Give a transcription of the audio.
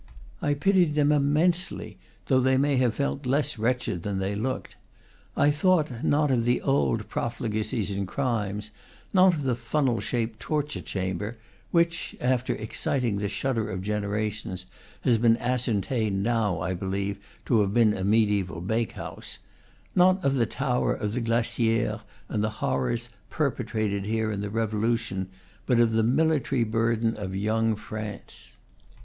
I pitied them immensely, though they may have felt less wretched than they looked. I thought not of the old profligacies and crimes, not of the funnel shaped torture chamber (which, after exciting the shudder of generations, has been ascertained now, I believe, to have been a mediaeval bakehouse), not of the tower of the glaciere and the horrors perpetrated here in the Revolution, but of the military burden of young France.